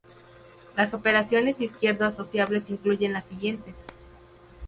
Las operaciones izquierdo-asociables incluyen las siguientes.